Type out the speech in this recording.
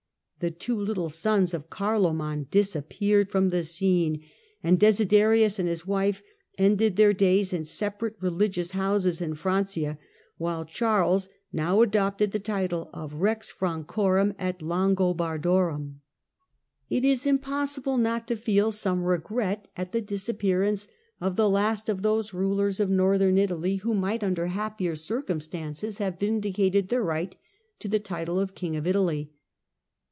The two little sons of Carloman disappeared from the scene, and Desiderius and his wife ended their days in separate religious houses in Francia, while Charles now adopted the title of Rex Francorwm et Langobardorwm. 150 THE DAWN OF MEDIAEVAL EUROPE It is impossible not to feel some regret at the disap pearance of the last of those rulers of Northern Italy, who might, under happier circumstances, have vindicated their right to the title of King of Italy.